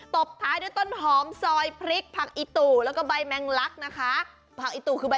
ตบท้ายด้วยต้นหอมซอยพริกผักอิตุแล้วก็ใบแมงลักษณ์นะคะ